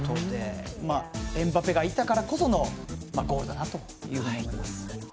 エムバペがいたからこそのゴールだなと思います。